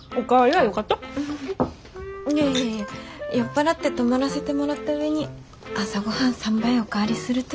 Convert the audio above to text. いえいえいえ酔っ払って泊まらせてもらった上に朝ごはん３杯お代わりするとやちょっと。